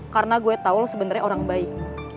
karena gue tau lo sebenernya orang baik